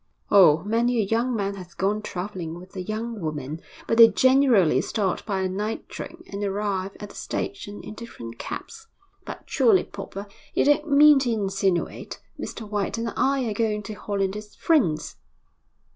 'Oh, many a young man has gone travelling with a young woman, but they generally start by a night train, and arrive at the station in different cabs.' 'But surely, Popper, you don't mean to insinuate Mr White and I are going to Holland as friends.'